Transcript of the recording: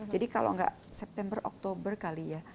jadi kalau nggak september oktober kali ya